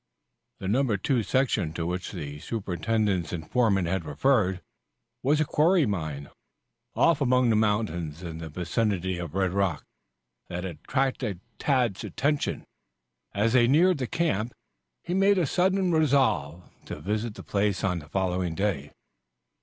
The Number 2 section to which the superintendent's informant had referred, was a quarry mine, off among the mountains in the vicinity of the red rock that had attracted Tad's attention as they neared the camp. He made a sudden resolve to visit the place on the following day.